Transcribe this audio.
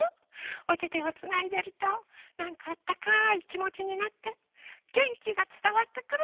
おててをつないでるとなんかあったかいきもちになってげんきがつたわってくるのよね。